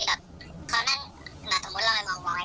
ก็คือเหมือนผมจะเดินออกจากซอยแล้วใช่ไหม